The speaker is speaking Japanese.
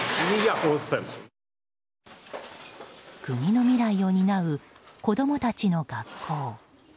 国の未来を担う子供たちの学校。